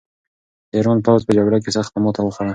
د ایران پوځ په جګړه کې سخته ماته وخوړه.